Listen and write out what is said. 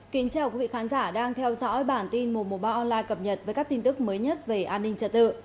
kính chào quý vị khán giả đang theo dõi bản tin một trăm một mươi ba online cập nhật với các tin tức mới nhất về an ninh trật tự